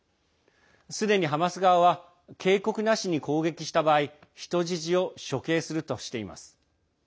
すでにハマス側は警告なしに攻撃した場合人質を処刑するとしています。